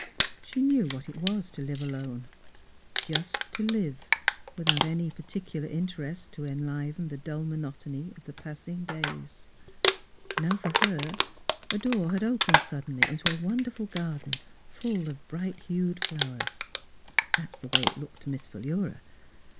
She knew what it was to live alone — just to live, without any particular inter est to enliven the dull monotony of the passing days. Now for her a door had opened suddenly into a wonderful garden, full of bright hued flowers. That is the way it looked to Miss Philura.